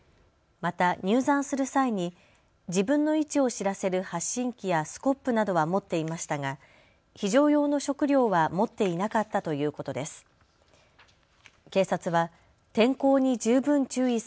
また入山する際に自分の位置を知らせる発信機やスコップなどは持っていましたが非常用の食料は持っていなかったということです。